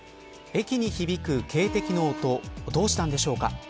駅に響く警笛の音どうしたんでしょうか。